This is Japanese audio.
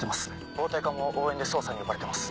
暴対課も応援で捜査に呼ばれてます。